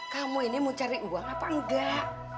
kamu ini mau cari uang apa enggak